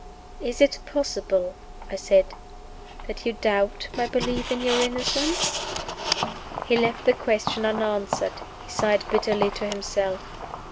"Is it possible," I said, "that you doubt my belief in your innocence?" He left the question unanswered. He sighed bitterly to himself.